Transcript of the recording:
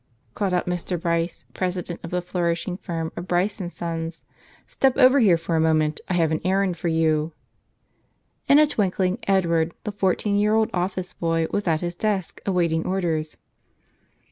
called out Mr. Bryce, president of the flourishing firm of Bryce & Sons, J "step over here for a moment, I have an errand In a twinkling Edward, the fourteen year old office boy, was at his desk, awaiting orders.